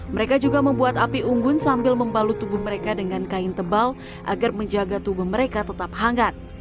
mereka juga membuat api unggun sambil membalut tubuh mereka dengan kain tebal agar menjaga tubuh mereka tetap hangat